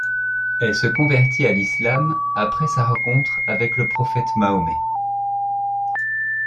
Elle se convertit à l'islam après sa rencontre avec le prophète Mahomet.